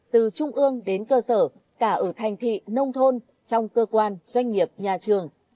từ trung ương đến cơ sở cả ở thành thị nông thôn trong cơ quan doanh nghiệp nhà trường